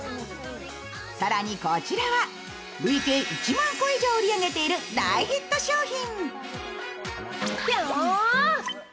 更にこちらは累計１万個以上を売り上げている大ヒット商品。